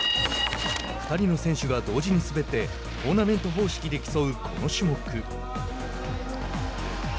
２人の選手が同時に滑ってトーナメント方式で競うこの種目。